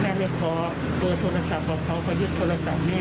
แม่เลยขอเปลือกโทรศัพท์บอกต้องยึดโทรศัพท์แม่